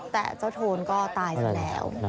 แต่เจ้าโทนก็ตายซะแล้ว